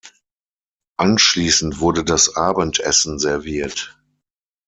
Anschließend wurde das Abendessen serviert.